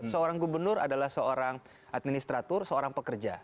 seorang gubernur adalah seorang administrator seorang pekerja